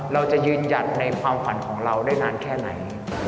เราจะยืนหยัดในความฝันของเราได้นานแค่ไหน